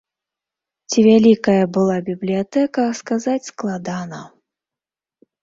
Ці вялікая была бібліятэка, сказаць складана.